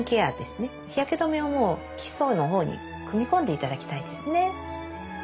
日焼け止めをもう基礎の方に組み込んでいただきたいですね。